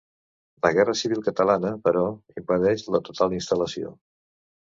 La guerra civil catalana, però, impedeix la total instal·lació.